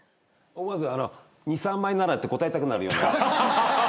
思わず２３枚ならって答えたくなるような。